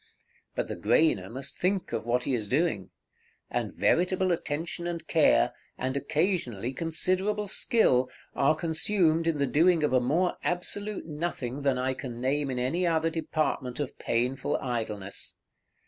But the grainer must think of what he is doing; and veritable attention and care, and occasionally considerable skill, are consumed in the doing of a more absolute nothing than I can name in any other department of painful idleness.